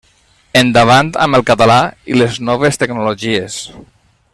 Endavant amb el català i les noves tecnologies.